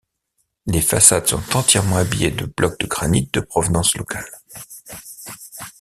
Les façades sont entièrement habillées de blocs de granit de provenance locale.